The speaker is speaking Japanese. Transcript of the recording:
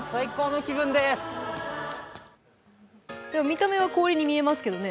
見た目は氷に見えますけどね。